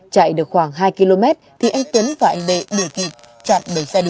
chạy được khoảng hai km thì anh tuấn và anh đệ đổi kịp